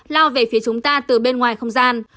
lao về phía chúng ta từ bên ngoài không gian